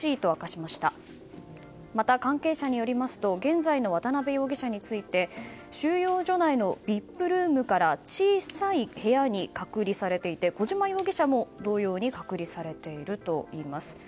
また、関係者によりますと現在の渡辺容疑者について収容所内のＶＩＰルームから小さい部屋に隔離されていて小島容疑者も同様に隔離されているといいます。